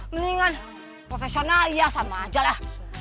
mendingan profesional ya sama aja lah